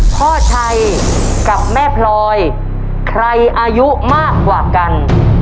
พ่อชัยกับแม่พลอยใครอายุมากกว่ากัน